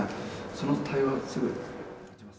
その対応はすぐ。